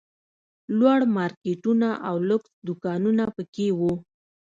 لوړ مارکېټونه او لوکس دوکانونه پکښې وو.